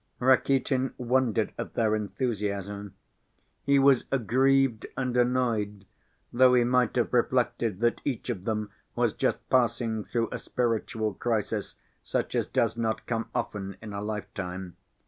Rakitin wondered at their enthusiasm. He was aggrieved and annoyed, though he might have reflected that each of them was just passing through a spiritual crisis such as does not come often in a lifetime.